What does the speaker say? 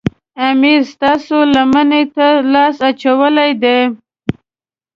امیر ستاسو لمنې ته لاس اچولی دی.